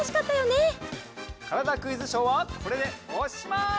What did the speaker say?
「からだ☆クイズショー」はこれでおしまい！